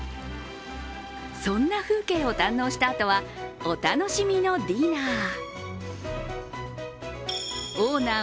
そんな風景を堪能したあとはお楽しみのディナー。